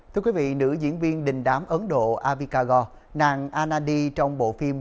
thưa quý vị nữ diễn viên đình đám ấn độ avikagor nàng anadi trong bộ phim